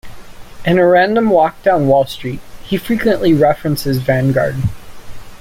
In A Random Walk Down Wall Street, he frequently references Vanguard.